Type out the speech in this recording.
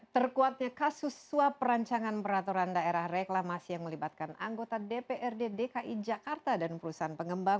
terkuatnya kasus suap perancangan peraturan daerah reklamasi yang melibatkan anggota dprd dki jakarta dan perusahaan pengembang